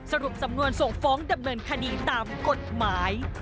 สรุปสำนวนส่งฟ้องดำเนินคดีตามกฎหมาย